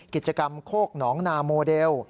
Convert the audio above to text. กิจกรรมโคกหนองนาโมเดล